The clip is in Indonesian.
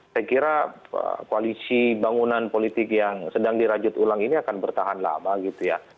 saya kira koalisi bangunan politik yang sedang dirajut ulang ini akan bertahan lama gitu ya